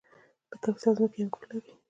د کاپیسا ځمکې انګور لري